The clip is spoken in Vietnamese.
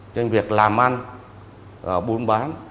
trên việc làm ăn bún bán